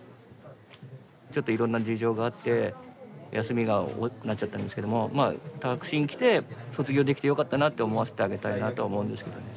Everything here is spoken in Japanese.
ちょっといろんな事情があって休みが多くなっちゃったんですけどもまあ拓真来て卒業できてよかったなって思わせてあげたいなと思うんですけどね。